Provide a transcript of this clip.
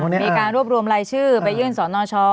มีการรวบรวมรายชื่อไปยื่นสนช